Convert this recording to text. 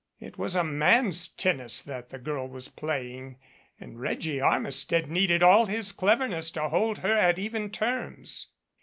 It was man's tennis that the girl was playing and Reggie Armistead needed all his cleverness to hold her at even terms.